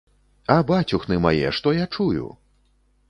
А бацюхны мае, што я чую?